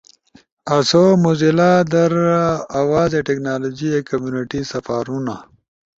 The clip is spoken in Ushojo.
آسو موزیلا در آوازے ٹینکنالوجی ایک کمیونیٹی سپارونا۔